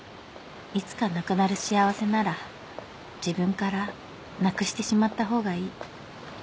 「いつかなくなる幸せなら自分からなくしてしまった方がいい」